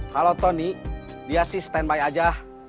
kalo tony dia sih stand by aja